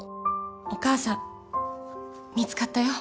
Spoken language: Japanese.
お母さん見つかったよ。